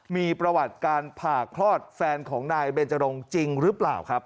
มีประวัติการผ่าคลอดแฟนของนายเบนจรงจริงหรือเปล่าครับ